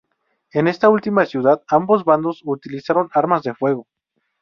En esta última ciudad ambos bandos utilizaron armas de fuego.